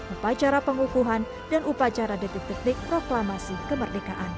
upacara pengukuhan dan upacara detik detik proklamasi kemerdekaan